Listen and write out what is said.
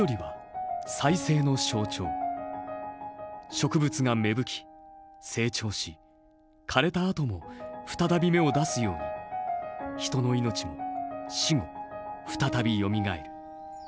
植物が芽吹き成長し枯れたあとも再び芽を出すように人の命も死後再びよみがえる。